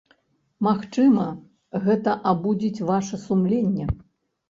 Магчыма, гэта абудзіць ваша сумленне.